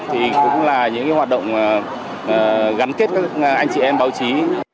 thì cũng là những hoạt động gắn kết các anh chị em báo chí